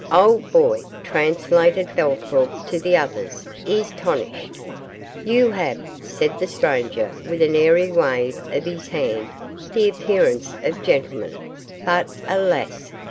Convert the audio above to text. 'Old boy,' translated Bellthorp to the others, 'is 'tonished.' 'You have,' said the stranger, with an airy wave of his hand, 'the appearance of gentlemen, but, alas!